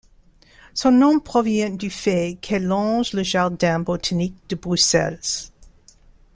Son nom provient du fait qu'elle longe le jardin botanique de Bruxelles.